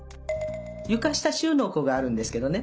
床下収納庫があるんですけどね